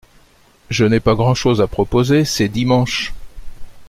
Je n’ai pas grand-chose à proposer, c’est dimanche